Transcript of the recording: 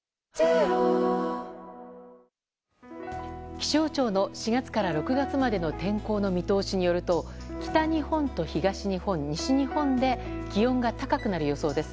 気象庁の４月から６月までの天候の見通しによると北日本と東日本、西日本で気温が高くなる予想です。